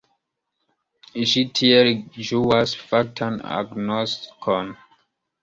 Ĝi tiel ĝuas faktan agnoskon.